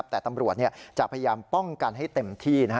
แต่ตำรวจจะพยายามป้องกันให้เต็มที่